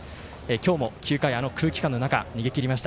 今日も９回、あの空気感の中逃げきりました。